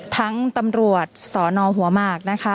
ทั้งตำรวจสนหัวมากนะคะ